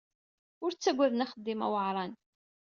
Ur ttagaden axeddim aweɛṛan.